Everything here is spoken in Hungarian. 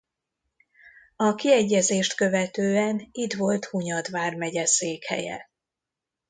A kiegyezést követően itt volt Hunyad vármegye székhelye.